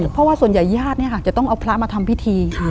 เพราะว่าส่วนใหญ่ญาติจะต้องเอาพระมาทำพิธี